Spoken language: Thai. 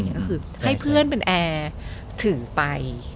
ก็คือให้เพื่อนเป็นแอร์ถึงไป